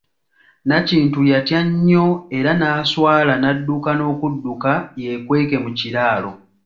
Nakintu yatya nnyo era n'aswala n'adduka n'okudduka yeekweke mu kiraalo.